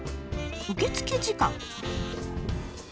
「受付時間」？